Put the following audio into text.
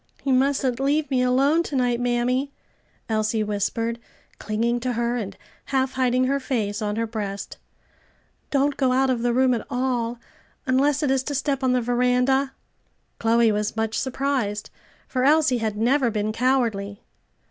"You mustn't leave me alone, to night, mammy," Elsie whispered, clinging to her, and half hiding her face on her breast. "Don't go out of the room at all, unless it is to step on the veranda." Chloe was much surprised, for Elsie had never been cowardly.